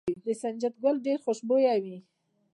د سنجد ګل ډیر خوشبويه وي.